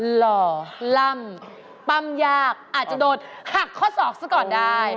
หล่อล่ำปั้มยากอาจจะโดนหักข้อศอกซะก่อนได้